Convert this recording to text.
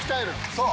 そう。